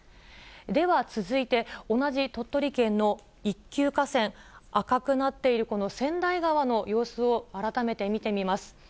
では続いて、同じ鳥取県の一級河川、赤くなっているこの千代川の様子を改めて見てみます。